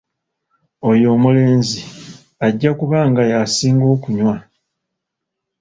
Oyo omulenzi ajja kuba nga yasinga okunywa.